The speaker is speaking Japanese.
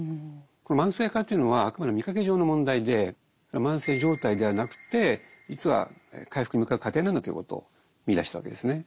これ慢性化というのはあくまで見かけ上の問題で慢性「状態」ではなくて実は回復に向かう「過程」なんだということを見いだしたわけですね。